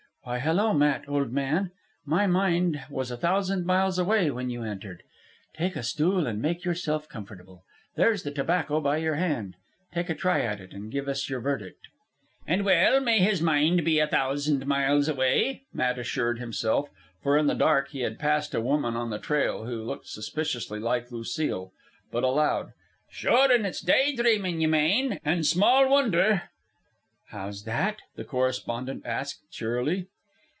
"Why, hello, Matt, old man. My mind was a thousand miles away when you entered. Take a stool and make yourself comfortable. There's the tobacco by your hand. Take a try at it and give us your verdict." "An' well may his mind be a thousand miles away," Matt assured himself; for in the dark he had passed a woman on the trail who looked suspiciously like Lucile. But aloud, "Sure, an' it's day dramin' ye mane. An' small wondher." "How's that?" the correspondent asked, cheerily.